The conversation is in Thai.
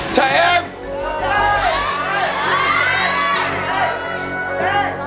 ใช่เอ็ม